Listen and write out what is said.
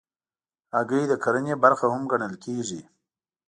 هګۍ د کرنې برخه هم ګڼل کېږي.